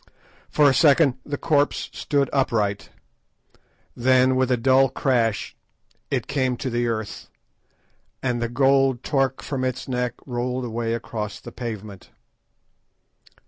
For a second the corpse stood upright; then with a dull crash it came to the earth, and the gold torque from its neck rolled away across the pavement.